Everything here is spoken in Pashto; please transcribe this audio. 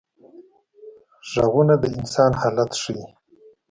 غږونه د انسان حالت ښيي